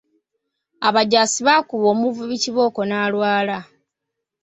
Abajaasi baakuba omuvubi kibooko n’alwala.